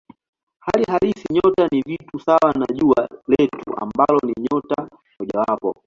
Hali halisi nyota ni vitu sawa na Jua letu ambalo ni nyota mojawapo.